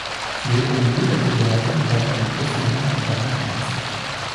Sie wird ohne Hefe zubereitet und enthält eine große Menge an Schweineschmalz.